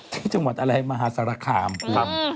ที่จังหวัดมหาศาลคามครับ